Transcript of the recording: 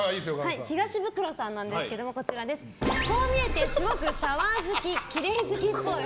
東ブクロさんなんですけどこう見えて、すごくシャワー好き、きれい好きっぽい。